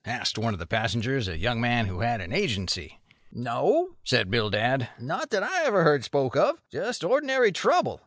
asked one of the passengers, a young man who had an Agency. "No," said Bildad, "not that I ever heard spoke of. Just ordinary trouble.